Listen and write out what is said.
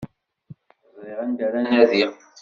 Ẓriɣ anda ara nadiɣ.